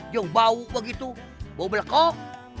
yang bau begitu bau belkok